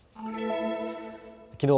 きのう